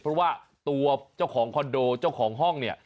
เพราะว่าตัวเจ้าของคอนโดเจ้าของห้องเนี่ย